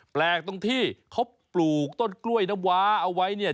แปลกตรงที่เขาปลูกต้นกล้วยน้ำว้าเอาไว้เนี่ย